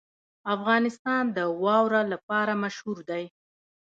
افغانستان د واوره لپاره مشهور دی.